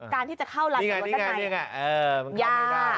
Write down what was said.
การที่จะเข้ารันในรถในนี่ไงมันเข้าไม่ได้